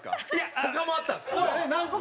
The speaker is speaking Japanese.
他もあったんですか？